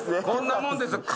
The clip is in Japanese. こんなもんです。